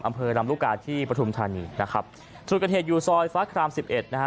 อำเภอรำลูกกาที่ปฐุมธานีนะครับสูตรกันเหตุอยู่ซอยฟ้าคลาม๑๑นะฮะ